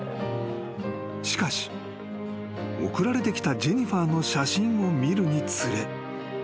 ［しかし送られてきたジェニファーの写真を見るにつれ］